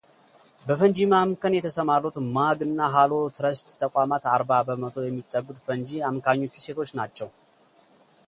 በፈንጂ ማምከን የተሰማሩት ማግ እና ሃሎ ትረስት ተቋማት አርባ በመቶ የሚጠጉት ፈንጂ አምካኞቹ ሴቶች ናቸው።